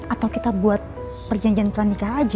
atau kita buat perjanjian pernikah aja